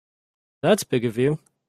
That's big of you.